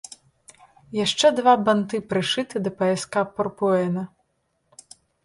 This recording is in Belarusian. Яшчэ два банты прышыты да паяска пурпуэна.